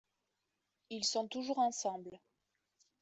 Ils sont toujours ensemble.